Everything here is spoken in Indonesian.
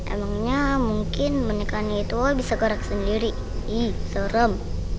emangnya mungkin boneka itu bisa gerak sendiri ih serem